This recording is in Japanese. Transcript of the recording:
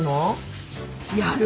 やる。